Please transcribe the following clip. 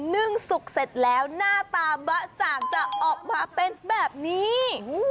นึ่งสุกเสร็จแล้วหน้าตาบะจ่างจะออกมาเป็นแบบนี้